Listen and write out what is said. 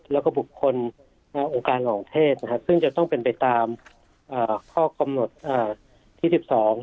แล้วก็บุคคลองค์การอ่องเทศซึ่งจะต้องเป็นไปตามข้อกำหนดที่๑๒